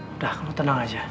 udah kamu tenang aja